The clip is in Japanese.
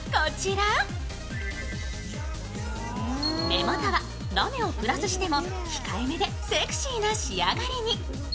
目元はラメをプラスしても控えめでセクシーな仕上がりに。